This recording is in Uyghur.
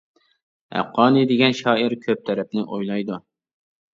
‹ ‹ھەققانىي› › دېگەن شائىر، كۆپ تەرەپنى ئويلايدۇ.